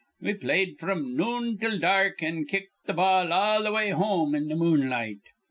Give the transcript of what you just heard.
We played fr'm noon till dark, an' kicked th' ball all th' way home in the moonlight.